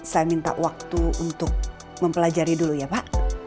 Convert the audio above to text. saya minta waktu untuk mempelajari dulu ya pak